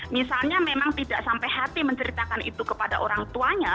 misalnya memang tidak sampai hati menceritakan itu kepada orang tuanya